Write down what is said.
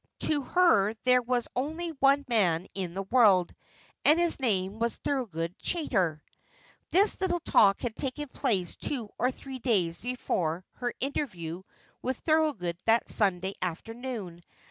To her there was only one man in the world, and his name was Thorold Chaytor. This little talk had taken place two or three days before her interview with Thorold that Sunday afternoon.